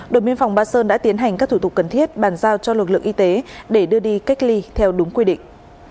đội biên phòng ba sơn đã tiến hành các thủ tục cần thiết bàn giao cho lực lượng y tế để đưa đi cách ly theo đúng quy định